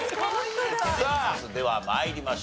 さあでは参りましょう。